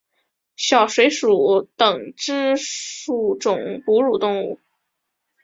小水鼠属等之数种哺乳动物。